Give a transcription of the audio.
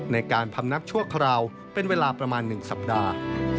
ในการพำนักชั่วคราวเป็นเวลาประมาณ๑สัปดาห์